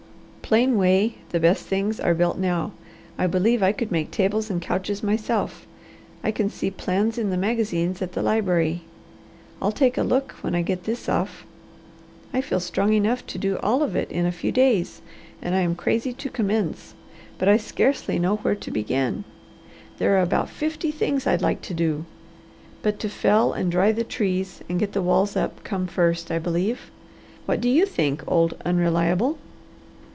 Plain way the best things are built now, I believe I could make tables and couches myself. I can see plans in the magazines at the library. I'll take a look when I get this off. I feel strong enough to do all of it in a few days and I am crazy to commence. But I scarcely know where to begin. There are about fifty things I'd like to do. But to fell and dry the trees and get the walls up come first, I believe. What do you think, old unreliable?"